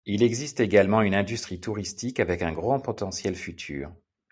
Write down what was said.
Il existe également une industrie touristique avec un grand potentiel futur.